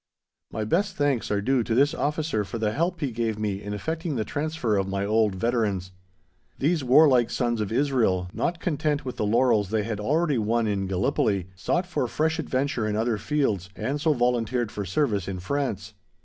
My best thanks are due to this officer for the help he gave me in effecting the transfer of my old veterans. These warlike sons of Israel, not content with the laurels they had already won in Gallipoli, sought for fresh adventure in other fields, and so volunteered for service in France.